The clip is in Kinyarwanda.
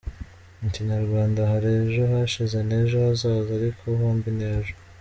Mu Kinyarwanda, hari ejo hashize n’ejo hazaza, ariko hombi n’ejo.